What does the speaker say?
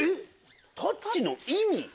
「タッチ」の意味？